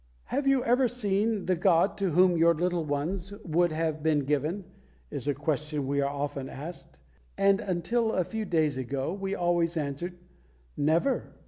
"Have you ever seen the god to whom your little ones would have been given?" is a question we are often asked; and until a few days ago we always answered, "Never."